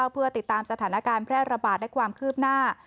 เพื่อติดตามสถานการณ์แพร่ระบาดและความคืบหน้า